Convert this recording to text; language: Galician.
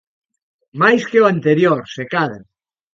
Máis que o anterior, se cadra.